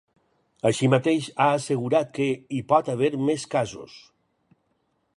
Així mateix, ha assegurat que “hi pot haver més casos”.